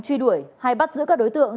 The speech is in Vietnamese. truy đuổi hay bắt giữ các đối tượng